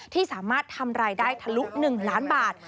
ที่สามารถทำรายได้ทะลุ๑ล้านบาท